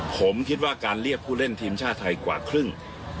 ผมคิดว่าการเรียกผู้เล่นทีมชาติไทยกว่าครึ่ง